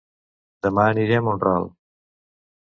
Dema aniré a Mont-ral